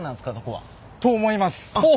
と思います！